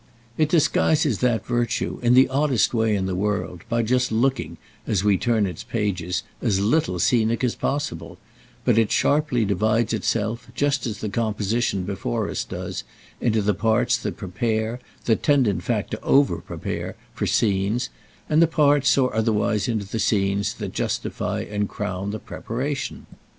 It disguises that virtue, in the oddest way in the world, by just looking, as we turn its pages, as little scenic as possible; but it sharply divides itself, just as the composition before us does, into the parts that prepare, that tend in fact to over prepare, for scenes, and the parts, or otherwise into the scenes, that justify and crown the preparation.